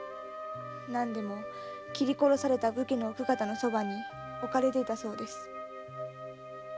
何でも斬り殺された武家の奥方の側に置かれていたそうです。